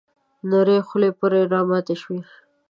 نرۍ خولې پر راماتې شوې .